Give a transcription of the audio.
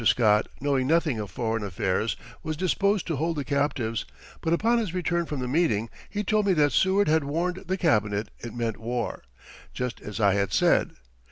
Scott, knowing nothing of foreign affairs, was disposed to hold the captives, but upon his return from the meeting he told me that Seward had warned the Cabinet it meant war, just as I had said.